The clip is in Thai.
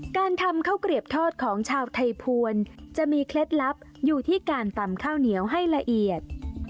การทำข้าวเกลียบทอดของชาวไทยภวรจะมีเคล็ดลับอยู่ที่การตำข้าวเหนียวให้ละเอียด